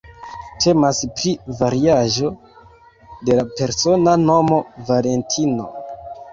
Temas pri variaĵo de la persona nomo "Valentino".